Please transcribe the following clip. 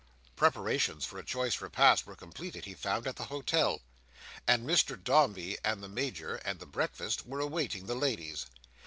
Preparations for a choice repast were completed, he found, at the hotel; and Mr Dombey, and the Major, and the breakfast, were awaiting the ladies.